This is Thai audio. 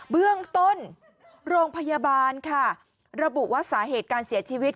เบื้องต้นโรงพยาบาลค่ะระบุว่าสาเหตุการเสียชีวิต